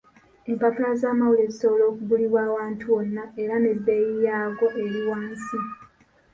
Empapula z'amawulire zisobola okugulibwa awantu wonna era n'ebbeeyi yaago eri wansi.